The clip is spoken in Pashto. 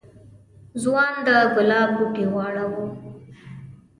ځوان د گلاب بوټی واړاوه.